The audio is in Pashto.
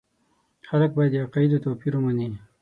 خلک باید د عقایدو توپیر ومني.